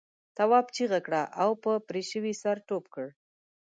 تواب چیغه کړه او پر پرې شوي سر ټوپ کړ.